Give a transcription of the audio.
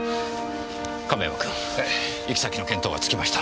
亀山君行き先の見当はつきました。